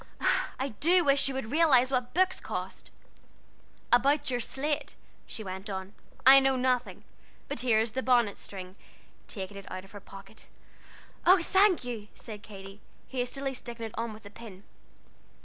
I do wish you would realize what books cost! "About your slate," she went on, "I know nothing; but here is the bonnet string;" taking it out of her pocket. "Oh, thank you!" said Katy, hastily sticking it on with a pin.